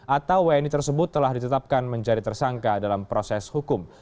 atau wni tersebut telah ditetapkan menjadi tersangka dalam proses hukum